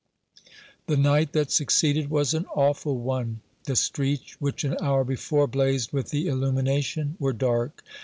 The night that succeeded was an awful one. The streets, which an hour before blazed with the illumination, were dark.